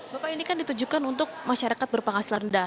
bapak ini kan ditujukan untuk masyarakat berpenghasilan rendah